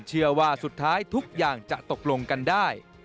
เชื่อว่าสุดท้ายทุกอย่างจะตกลงกันได้